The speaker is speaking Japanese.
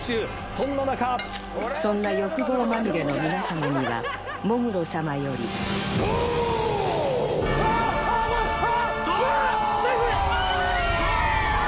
そんな中そんな欲望まみれの皆様には喪黒様よりああ怖いあわ！